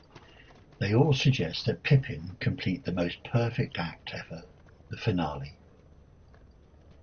They all suggest that Pippin complete the most perfect act ever: the Finale.